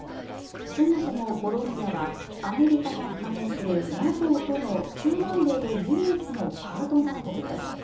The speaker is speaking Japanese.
そもそもコロンビアはアメリカが加盟するＮＡＴＯとの中南米で唯一のパートナー国です。